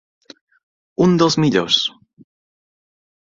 Un dels millors.